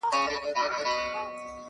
بیا يې چيري پښه وهلې چي قبرونه په نڅا دي~